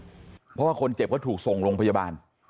เพราะว่าคนเจ็บก็ถูกส่งโรงพยาบาล